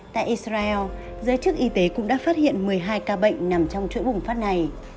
tại israel giới chức y tế cũng đã phát hiện một mươi hai ca bệnh nằm trong chuỗi bùng phát này